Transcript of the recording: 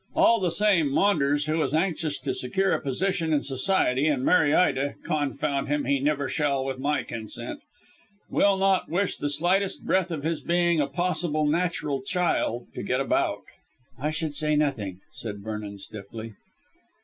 All the same, Maunders, who is anxious to secure a position in Society and marry Ida confound him, he never shall with my consent will not wish the slightest breath of his being a possible natural child to get about." "I should say nothing," said Vernon stiffly.